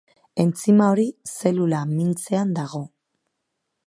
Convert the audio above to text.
Entzima hori zelula mintzean dago.